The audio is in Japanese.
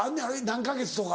何か月とか。